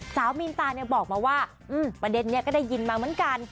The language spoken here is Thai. มีนตาเนี่ยบอกมาว่าประเด็นนี้ก็ได้ยินมาเหมือนกัน